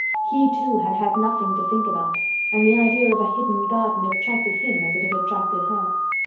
He too had had nothing to think about and the idea of a hidden garden attracted him as it had attracted her.